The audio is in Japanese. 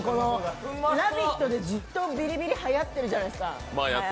「ラヴィット！」でずっとビリビリはやってるじゃないすか。